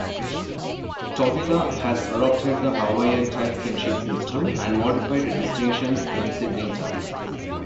Tokelau has adopted the Hawaiian-type kinship system and modified distinctions in sibling terms.